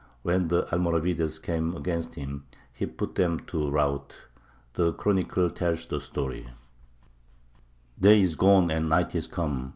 When the Almoravides came against him, he put them to rout. The Chronicle tells the story: "Day is gone, and night is come.